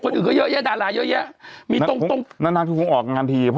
หรือถ้าเธอจะตายถ้าจะลอง่ดูเนอะ